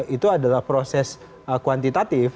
itu adalah proses kuantitatif